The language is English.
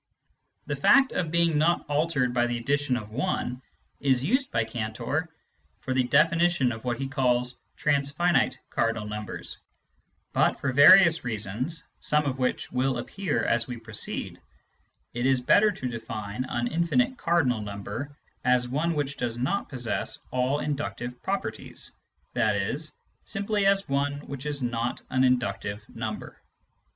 The fact of being not altered by the addition of 1 is used by Cantor for the defini tion of what he calls " transfinite " cardinal numbers ; but for various reasons, some of which will appear as we proceed, it is better to define an infinite cardinal number as one which does not possess all inductive properties, i.e. simply as one which is not an inductive number.